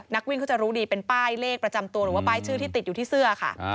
นักวิ่งเขาจะรู้ดีเป็นป้ายเลขประจำตัวหรือว่าป้ายชื่อที่ติดอยู่ที่เสื้อค่ะ